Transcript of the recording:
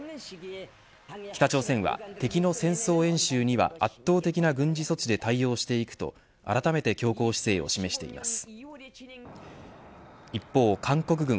北朝鮮は敵の戦争演習には圧倒的な軍事措置で対応していくとあらためて強硬姿勢を示しています。